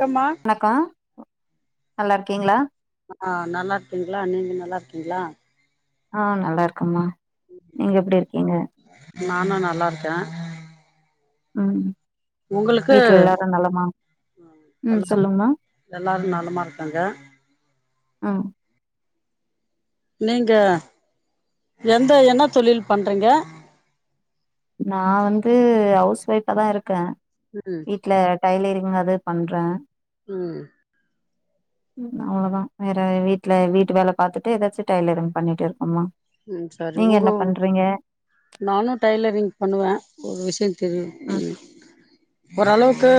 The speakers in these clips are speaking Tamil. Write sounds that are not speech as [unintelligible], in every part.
கம்மா அக்கா நல்லார்க்கீங்களா ஆ நல்லார்க்கீங்களா நீங்க நல்லா இருக்கீங்களா ஆ நல்லா இருக்கம்மா நீங்க எப்டி இருக்கீங்க நானு நல்லா இருக்க ம் வீட்ல எல்லாரு நலமா ம் எல்ல சொல்லுங்கமா எல்லாரு நலமா இருக்காங்க ஆ நீங்க எந்த என்ன தொழில் பண்றீங்க நா வந்து ஹவுஸ் ஒய்ஃபா தா இருக்க ம்ம் வீட்ல டைலரிங் அது பண்ற ம் அவ்ளோதா வேற வீட்ல வீட்டு வேல பாத்துட்டு ஏதாச்சு டைலரிங் பண்ணிட்டு இருக்கோமா ம் சரி உங்கோ நானு டை்லரிங் பண்ணுவ ஒரு விஷயோ தெரியு ம் ஒரளவுக்கு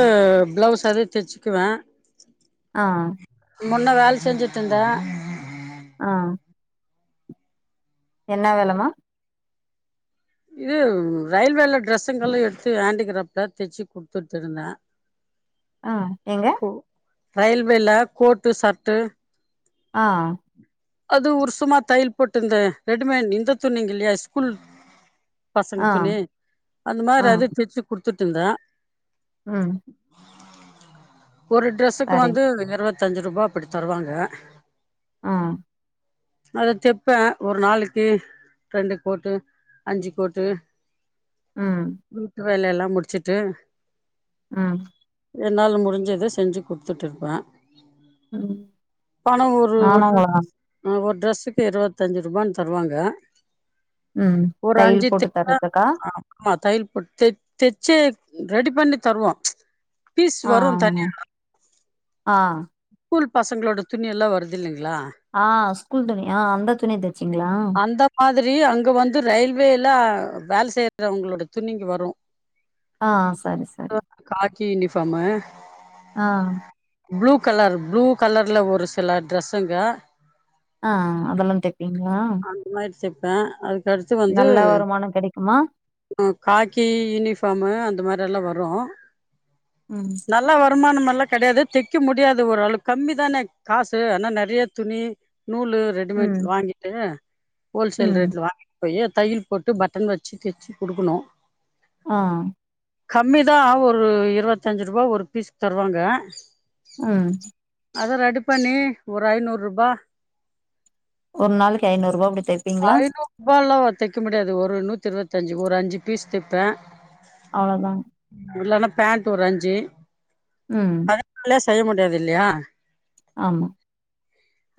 பிளவுஸ் அதே தச்சுக்குவ ஆ முன்ன வேலசெஞ்சுட்டு இருந்த ஆ என்ன வேலமா இது ரயில்வேல ட்ரெஸ்சுங்கல்லா எடுத்து ஹேண்டிகிராப்ட்ல தச்சு குடுத்துட்டிருந்த அ எங்க ரயில் வேல கோட்டு சர்ட்டு ஆ அது ஒருஷமா தயல் போட்டுருந்த ரெடிமேட் இந்த துணிங்க இல்லையா ஸ்கூல் பசங்க ஆ துணி அந்த ஆ மாரி அது தெச்சு குடுத்துட்டு இருந்த ம் ஒரு ட்ரெஸ்ஸுக்கு சரி வந்து இரவத்தஞ்சு ரூபா அப்டி தருவாங்க அ அத தெப்பே ஒரு நாளைக்கு ரெண்டு கோட்டு அஞ்சிக்கோட்டு ம் வீட்டு வேலயெல்லா முடிச்சுட்டு ம் என்னால முடிஞ்சத செஞ்சு குடுத்துட்டுருப்ப ம் பணோ ஒரு நானு ஒரு உங்களதா ஒரு ட்ரெஸ்ஸுக்கு இரவத்தஞ்சு ரூபான்னு தருவாங்க ம் ஒரு தையல் அஞ்சி போட்டு தெப்ப தர்றதுக்கா ஆ மா தையல் போட்டு தச் தெச்சே ரெடி பண்ணி தருவோ ஆ ஆ ஆ ஸ்கூல் பசங்களோட துணியெல்லா வருது இல்லைங்ளா ஆ ஸ்கூல் துணி ஆ அந்த துணி தெச்சிங்ளா அந்த மாதிரி அங்க வந்து ரயில்வேல்ல வேல செய்யறவங்களோட துணிங்க வரு ஆ சரி சரி காக்கி யூனிஃபாமு ஆ ப்ளூ கலர் ப்ளூ கலர்ல ஒரு சில ட்ரஸ்ஸுங்க அ அ அதெல்லா தெப்பிங்ளா இது மாரி தெப்ப அதுக்கடுத்து வந்து நல்ல வருமானோ கெடைக்குமா காக்கி யூனிஃபாமு அந்த மாரியெல்லா வரு ம் நல்ல வருமானம் எல்லா கெடையாது தெக்க முடியாது ஓரளவு கம்மி தான காசு ஆனா நெறைய துணி நூலு ரெடிமேட் ம் வாங்கிட்டு ஹோல்சேல் ம் ரேட்ல வாங்கி போயி தையல் போட்டு பட்டன் வச்சு தச்சு குடுக்கணு ஆ கம்மி தா ஒரு இரவத்தஞ்சு ரூபா ஒரு பீஸ்க்கு தருவாங்க ம் அத ரெடி பண்ணி ஒரு ஐநூறுபா ஒரு நாளைக்கு ஐந்நூறுபா அப்டி தெ ஐந்நூறுபால்லா தெக்க முடியாது ஒரு நூத்தி இரவத்தி அஞ்சி ஒரு அஞ்சி பீஸ் தெப்ப அவ்ளோதா இல்லனா பேண்ட்டு ஒரு அஞ்சி ம் அதனால செய்ய முடியாது இல்லையா ஆமா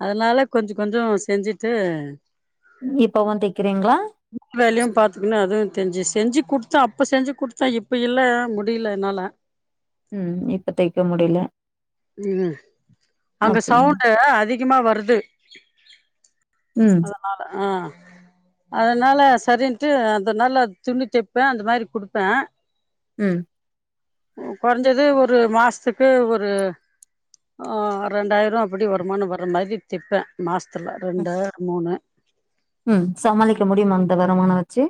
அதனால கொஞ்சோ கொஞ்சோ செஞ்சிட்டு இப்பவு தெக்கிறீங்ளா வீட்டுவேலையு பாத்துக்குனு அதுவு தெஞ்சு செஞ்சி குத்த அப்ப செஞ்சி குடுத்த இப்ப இல்ல முடில என்னால ம் இப்ப தெக்க முடில ம் அங்க அப்டின்னு சவுண்டு அதிகமா வருது ம் அ அதனால சரின்ட்டு அந்த நல்ல துணி தைப்பே அந்த மாதிரி குடுப்ப ம் கொறைஞ்சது ஒரு மாசத்துக்கு ஒரு அ ரெண்டாயிரோ அப்டி வருமான வர மாரி தப்பே மாசத்துல ம் ரெண்டு மூணு ம் சமாளிக்க முடியுமா இந்த வருமான வச்சு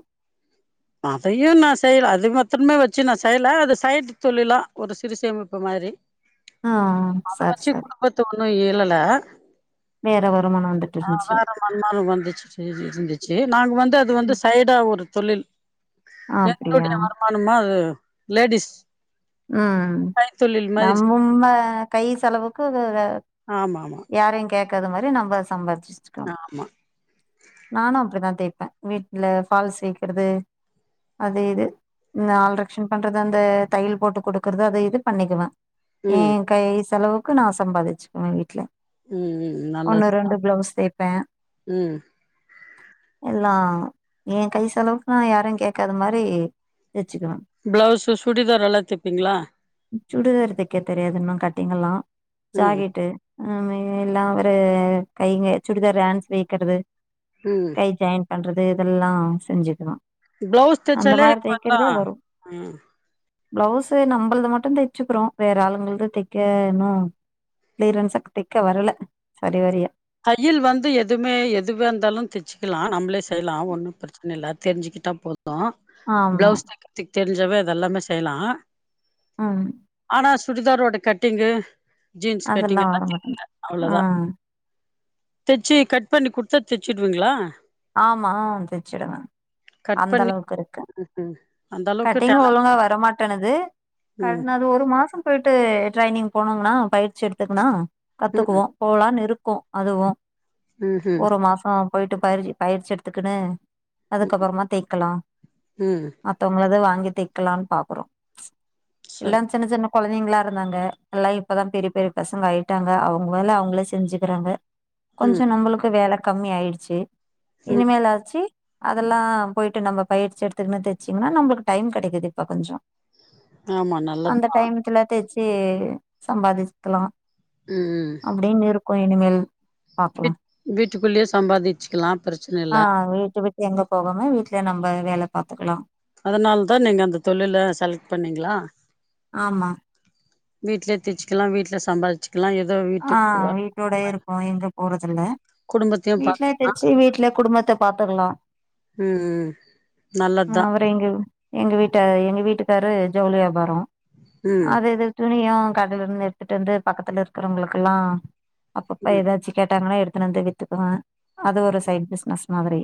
அதையு நா செய்யல அது மத்தமே வச்சு நா செய்யல அது சைட் தொழிலா ஒரு சிறு சேமிப்பு மாரி ஆ அத சரி வச்சு சரி குடும்பத்த ஒண்ணு ஏழல வேற வருமானம் வந்துட்டு இருந்துச்சு [unintelligible] வந்துச்சு இருந்துச்சு நாங்க வந்து அது வந்து சைடா ஒரு தொழில் அப்டியா எங்களுடைய வருமானமு அது லேடிஸ் அ கைத்தொழில் மாதிரி நம்மம்ம கை செலவுக்கு ஆமா ஆமா யாரையு கேக்காத மாரி நம்ம சம்பாதிச்சு ஆமா நானு அப்டிதா தேய்ப்ப வீட்ல ஃபால்ஸ் வக்கிறது அது இது ஆள்ரக்க்ஷன் பண்றது அந்த தையல் போட்டு குடுக்கறது அத இது பண்ணிக்குவே ஏ ம் கை செலவுக்கு நா சம்பாதிச்சுக்குவே வீட்ல ம் ம் ஒன்னு நல்லது ரெண்டு ப்ளவ்ஸ் தெப்பே ம் எல்லா ஏ கை செலவுக்கு நா யாரையு கேக்காத மாரி வெச்சிக்குவே பிளவ்ஸு சுடிதார் எல்லா தெப்பிங்ளா சுடிதாரு தெக்க தெரியாதுன்னு கட்டிங் எல்லா ம் ஜாக்கெட்டு ஆமா எல்லா அவரு கைங்க சுடிதாரு ஹேன்ஸ் வைக்கிறது ம் கை ஜாயின் பண்றது இதெல்லா செஞ்சிக்கலா பிளவுஸ் அந்த தெச்சாலே மாரி இப்பல்லா தெய்க்கிறதே வரு ம் பிளவுஸு நம்புள்து மட்டு தெச்சுக்குறோ வேற ஆளுங்கள்து தெக்க இன்னு கிளியரன்ஸா தெக்க வரல சரி வாரியா தையில் வந்து எதுவுமே எதுவா இந்தாலு தெச்சிக்கலா நம்பளே செய்லா ஒண்ணு பிரச்ச ன இல்ல தெரிஞ்சிக்கிட்டா போது ஆமா பிளவுஸ் தெக்கற்த்துக்கு தெரிஞ்சவே அதெல்லாமே செய்யலா ம் ஆனா சுடிதாரோட கட்டிங்கு ஜீன்ஸ் கட்டிங் அதெல்லா எல்லா வர தெரியில மாட்டேன்து அவ்ளோதா ம் தெச்சி கட் பண்ணி குட்த்தா தெச்சுடுவீங்ளா ஆமா தெச்சுடுவே கட் அந்த பண்ணி அளவுக்கு இருக்கு ம்ஹ்ம் அந்த அளவுக்கு கட்டிங் டேலண்ட் ஒழுங்கா வர மாட்டனுது ம் [unintelligible] ஒரு மாசம் போய்ட்டு டிரைனிங் போனோங்கனா பயிற்சி எடுத்துக்குனா ம் கத்துக்குவோ போலான் இருக்கோ அதுவு ம்ஹும் ஒரு மாசோ போயிட்டு பயிற்சி பயிற்சி எடுத்துக்குனு ம் அதுக்கப்புறமா தெக்கலா ம் மத்தவங்களத வாங்கி தெக்கலான் பாக்குறோ இல்ல சரி சின்ன சின்ன கொழந்தைங்ளா இருந்தாங்க எல்லா இப்பதா பெரிய பெரிய பசங்க ஆயிட்டாங்க அவுங்க வேல அவுங்களே செஞ்சிக்கிறாங்க ம் கொஞ்ச நம்மளுக்கு வேல கம்மி ஆய்டுச்சி ம் இனிமேலாச்சி அதெல்லா போய்ட்டு நம்ம பயிற்சி எடுத்துகுனு தெச்சிங்கனா நம்பளுக்கு டைம் கெடைக்குது இப்ப கொஞ்ச ஆமா நல்லது டைமத்துல தெச்சி சம்பாதிச்க்கலா ம் ம் அப்படின் இருக்கு இனிமேல் பாக்கலா வீட்டுக்குள்ளயே சாம்பாதி க்கலா பிரச்சன ஆ வீட்ட விட்டு எங்க போகாம வீட்டு்லயே நம்ப வேல பாத்துக்கலா அதனால தா நீங்க அந்த தொழில செலக்ட் பண்ணீங்ளா ஆமா வீட்லயே தெச்சிக்கலா வீட்ல சம்பாதிச் க்லா ஏதோ வீட்டு ஆ வீட்டோட இருப்போ எங்க போறதில்ல குடும்பத்தையு வீட்லயே பாத்துக்கலா சி வீட்லயே குடும்பத்த பாத்துக்கலா ம் நல்லத் தா அவரு எங்க எங்க வீட்டு எங்க வீட்டுக்காரு ஜவுளி வியாபாரோ ம் அது இது துணியு கடலந்து எடுத்துட்டு வந்து பக்கத்துல இருக்கிறவங்களுக் கெல்லா அப்பப்ப ம் ஏதாச்சு கேட்டாங்கனா எடுத்துனு வந்து வித்துக்வே அது ஒரு சைட் பிஸ்னஸ் மாதிரி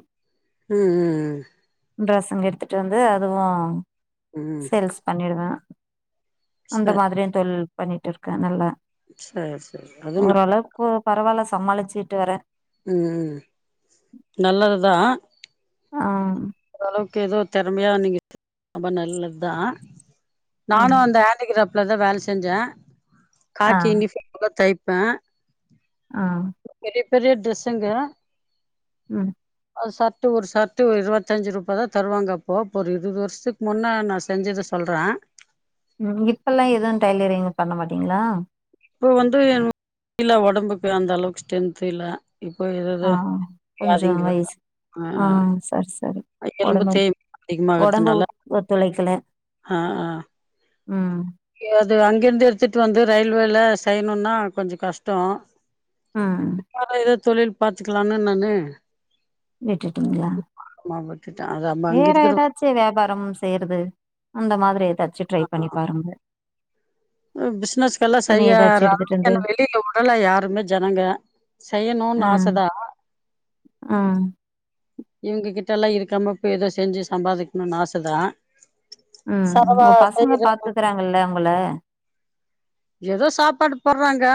ம் ம் ம் இந்த ட்ரஸ்ஸுங்க எடுத்துட்டு வந்து அதுவும் ம் சேல்ஸ் பண்ணிடுவேன் அந்த சரி மாதிரியும் தொழில் பண்ணிட்டு இருக்கேன் நல்லா சேர் ஸ் ஓரளவுக்கு போ பரவாயில்ல சமாளிச்சுட்டு வரேன் ம் நல்லதுதான் ஆ ஓளவுக்கு ஏதோ திறமையா நீங்க ரொம்ப நல்லது தான் ம் நானும் அந்த ஹேண்டிகிராப் அங்கதான் வேலை செஞ்சேன் ஆ காக்கி யூனிஃபார்ம் தைப்பேன் ஆ பெரிய பெரிய ட்ரெஸ்ஸங்க ம் அது சாப்ட்டு ஒரு சத்து ஒருஇதுவா பத்தஞ்சு ரூபா தான் தருவாங்கப்போ இப்போ ஒரு இருபது வருஷத்துக்கு முன்னே நான் செஞ்சத சொல்ற ம் இப்பெல்லாம் எதுவும் டைலரிங் பண்ண மாட்டீங்களா இப்போ வந்து இல்ல உடம்புக்கு அந்த அளவுக்கு ஸ்டென்த்து இல்ல இப்போ ஆ ஏதேதோ கொஞ்சோ அதிங்க வர்தா வயசு ஆ சரி சரி அ உடம்பு எலும்புத்தேய்மானம் ஒடம்பு அதிகமாகிறதுனால ஒத் ஒத்துழைக்கல ஆ ஆ ம் எ அது அங்கிருந்து எடுத்துட்டு வந்து ரயில்வேல செய்யணுன்னா கொஞ்சோ கஷ்டோ ம் வேர ஏதோ தொழில் பாத்துக்கலாம்னு நானு விட்டுட்டிங்களா ஆமா ஓய் விட்டுட்ட அதா வேற ஏதாச்சு வியாபாரம் செய்யறது அந்த மாதிரி ஏதாச்சு ட்ரை பண்ணி பாருங்க ஆ பிசினஸ்க்கெல்லாம் துணி செய்ய ஏதாச்சு எடுத்துட்டு வந்து [unintelligible] வெளில உடல யாருமே ஜனங்க செய்யணும்னு ஆசதா ஆ இவங்ககிட்ட எல்லாம் இருக்காம போய் ஏதோ செஞ்சு சம்பாதிக்கணும்னு ஆசதான் ம் உ பசங்க பாத்துக்கறாங்கல்ல உங்கள ஏதோ சாப்பாடு போடுறாங்க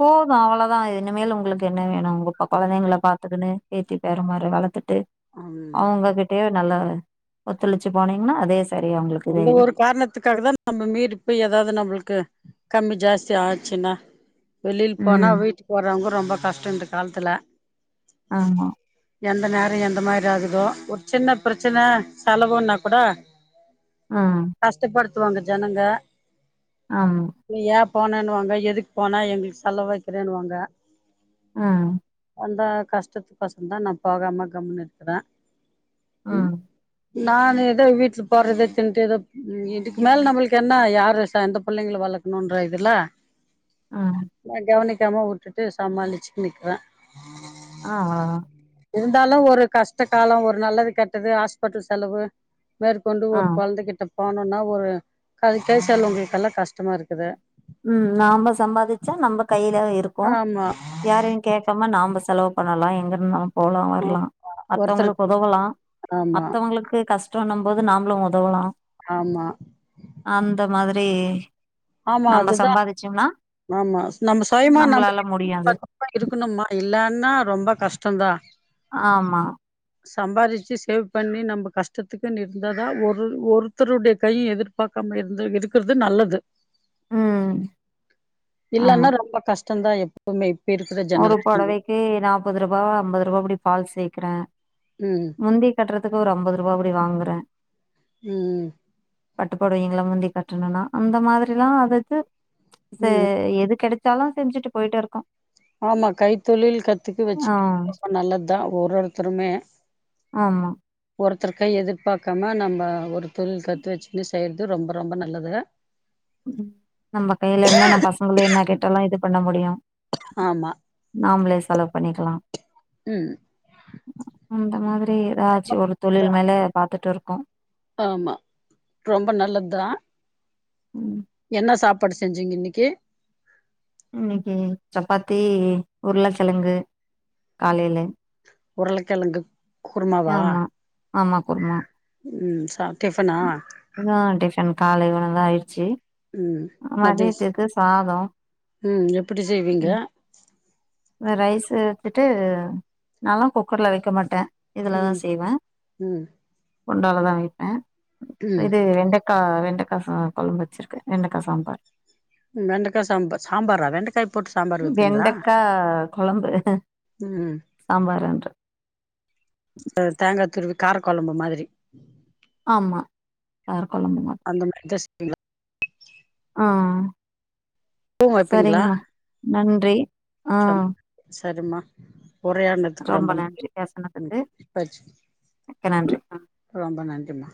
போதும் அவ்ளோதான் இனிமேல் உங்களுக்கு என்ன வேணும் உங்கப்ப குழந்தைங்கள பாத்துக்கன்னு பேத்தி பேற மாரி வளர்த்துட்டு ம் அவங்ககிட்டேயே நல்ல ஒத்துழச்சு போனிங்கன்னா அதே சரியா உங்களுக்கு அந்த இதாயிடு ஒரு காரணத்துக்காக தான் நம்ம மீறி இப்ப ஏதாவது நம்மளுக்கு கம்மி ஜாஸ்தி ஆச்சுன்னா வெளில போனா ம் வீட்டுக்கு வறவங்க ரொம்போ கஷ்டம் இந்த காலத்துல ஆமா எந்த நேர எந்த மாதிரி ஆகுதோ ஒரு சின்ன பிரச்சன செலவுனா கூட ஆ கஷ்டப்படுத்துவாங்க ஜனங்க ஆம் நீ ஏன் போனேன்னுவாங்க எதுக்கு போனா எங்களுக்கு செலவ வைக்கிறேன்னுவாங்க ஆ அந்த கஷ்டத்து கோசம்தா நா போகாம கம்மனு இருக்குறே உம் ம் நான் எது வீட்ல போறது ணட் எதோ இதுக்கு மேல நம்மளுக்கு என்ன யாரு எந்த பிள்ளைங்களை வளர்க்கணும்ன்ற இதுல ம் அவ்வளதா நா கவனிக்காம விட்டுட்டு சமாளிச்சுக்கு நிக்குறே ஆ ஆ இருந்தாலும் ஒரு கஷ்ட காலோ ஒரு நல்லது கெட்டது ஹாஸ்பிட்டல் செலவு மேற்கொண்டு ஆ. ஒரு வந்துகிட்ட போனும்னா ஒரு க கேசால் உங்கக்கெல்லாம் கஷ்டமா இருக்குது உம் நாம சம்பாதிச்சா நம்ம கையில இருக்கூ ஆமா யாரையும் கேக்காம நாம செலவு பண்ணலாம் எங்க இருந்தாலு போலாம் ஆ வரலாம் ஒருத்தருக்கு மத்தவங்களுக்கு உதவலாம் ஆமா மத்தவங்களுக்கு கஷ்ட ண்ணும் போது நாமளும் உதவலாம் ஆமா அந்த மாதிரி ஆமா நம்ம அதுதா சம்பாதிச்சோம்னா ஆமா நம்ம சுயமா நம்ம நம்மளால முடியு அது கிட்ட பண்ண இருக்கணும்மா இல்லன்னா ரொம்ப கஷ்டம்தா ஆமா [inaudible] சம்பாரிச்சு சேவ் பண்ணி நம்ம கஷ்டத்துக்குன்னு இருந்தா தான் ஒரு ஒருத்தருடைய கையும் எதிர்ப பாக்காம இரு இருக்கிறது நல்லது உம் இல்லன்னா ரொம்ப கஷ்டம்தா எப்பவுமே இப்டி இருக்கிற ஜெனரேஷன்ல டே நாப்பது ரூபா அம்பது ரூபா அப்டி பால் சேக்குறே உம் முந்தி கட்டுறதுக்கு ஒரு ஐம்பது ரூபா அப்டி வாங்குறே உம் பட்டுப்புடுவங்களை முந்தி கட்டணும்னா அந்த மாரில்லாம் அதுக்கு ச ம் எது கெடைச்சாலும் செஞ்சுட்டு போயிட்டு இருக்கோம் ஆமா கைத்தொழில் கத்துக்கு ஆ வச்சுக்க ரொம்ப நல்லது தான் ஒரு ஒருத்தருமே ஆமா ஒருத்தருக்க எதிர்பாக்காம நம்ம ஒரு தொழில் கத்து வச்சுன்னு செய்றது ரொம்ப ரொம்ப நல்லது நம்ம கையில இருந்தா நம்ம பசங்க என்ன கேட்டாலும் இது பண்ண முடியு ஆமா நாமளே செலவு பண்ணிக்கலா உம் அந்த மாதிரி ஏதாச்சு ஒரு தொழில் அதா மேல பாத்துட்டு இருக்கோ ஆமா ரொம்ப நல்லது தா உம் என்ன சாப்பாடு செஞ்சிங்க இன்னைக்கு இன்னைக்கு சப்பாத்தி உருளைக்கிழங்கு காலையில உருளக்கெழங்கு குருமாவா ஆமா ஆமா குருமா உம் சாப் டிஃபனா இதுதா டிஃபன் காலைல இருந்து ஆயிடுச்சு உம் மதேஸ் மதியத்துக்கு சாதோ உம் எப்டி செய்வீங்க ம் ரைஸ் எடுத்துட்டு நாளா குக்கர்ல வக்க மாட்டே இதுலதா ம் செய்வே ம் குண்டால தா வைப்பே ம் இது வெண்டக் கா வெண்டக்காசா கொழம்பு வச்சிருகே வெண்டக்கா சாம்பார் வெண்டக்கா சாம்பார் சாம்பாரா வெண்டக்காய் வெண்டக்கா கொழம்பு ம் சாம்பாருன்றே அ தேங்கா துருவி காரக்கொழம்பு மாதிரி ஆமா கார கொழம்பு மா அந்த [inaudible] அஜஸ்ட் [unintelligible] க்லா ஆ பூ வைப்பீங்களா செரிங்மா நன்றி ஆ சரிம்மா உரையானத்துக்கு ரொம்ப நன்றி [inaudible] ம் பேசுனதுக்கு பச் மிக்க நன்றி ரொம்ப நன்றிமா